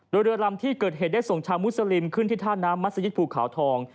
โดยเรือลำที่เกิดเหตุได้ส่งชาวมุสลิมขึ้นที่ท่าน้ำมัศยิตภูเขาทอง